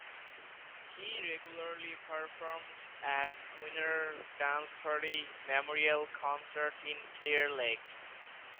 He regularly performed at Winter Dance Party memorial concerts in Clear Lake.